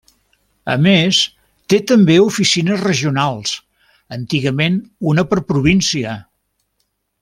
A més, té també oficines regionals, antigament una per província.